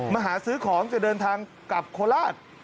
มาหาซื้อของจะเดินทางกลับโคราช